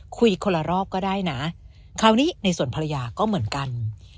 คุยคนละรอบก็ได้นะคราวนี้ในส่วนภรรยาก็เหมือนกัน